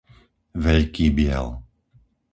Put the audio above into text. Veľký Biel